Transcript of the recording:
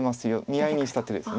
見合いにした手です。